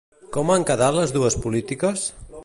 Com han quedat les dues polítiques?